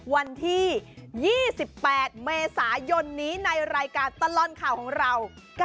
วันที่๒๘เมษายนนี้ในรายการตลอดข่าวของเรา